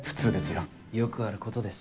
よくあることです